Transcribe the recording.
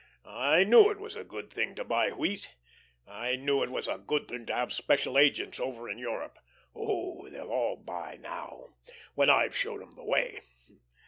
I knew it was a good thing to buy wheat; I knew it was a good thing to have special agents over in Europe. Oh, they'll all buy now when I've showed 'em the way.